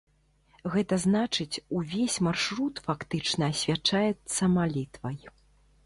Гэта значыць, увесь маршрут фактычна асвячаецца малітвай.